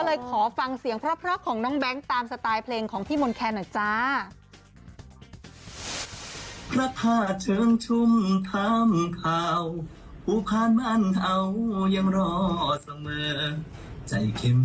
เลยขอฟังเสียงเพราะของน้องแบงค์ตามสไตล์เพลงของพี่มนต์แคนหน่อยจ้า